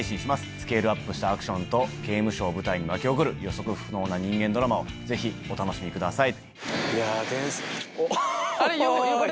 スケールアップしたアクションと刑務所を舞台に巻き起こる予測不能な人間ドラマをぜひお楽しみください。